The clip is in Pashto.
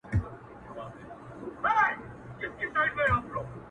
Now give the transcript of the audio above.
څه مضمون مضمون را ګورېڅه مصرعه مصرعه ږغېږې,